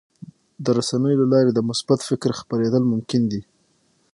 د رسنیو له لارې د مثبت فکر خپرېدل ممکن دي.